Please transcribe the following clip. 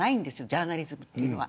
ジャーナリズムというのは。